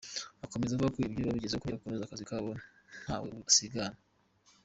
Akomeza avuga ko ibyo babigezeho kubera kunoza akazi kabo ntawe basigana.